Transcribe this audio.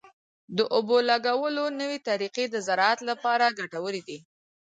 د اوبو لګولو نوې طریقې د زراعت لپاره ګټورې دي.